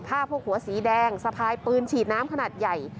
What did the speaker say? พวกหัวสีแดงสะพายปืนฉีดน้ำขนาดใหญ่